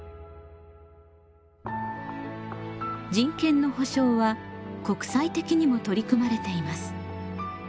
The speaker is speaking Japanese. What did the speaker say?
人権の保障は国際的にも取り組まれています。